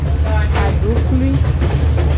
Aduklui.